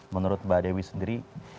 menurut mbak dewi sendiri